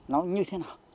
nó như thế nào